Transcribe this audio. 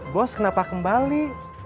bos kenapa kembali